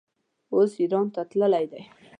اوس ایران ته تللی دی.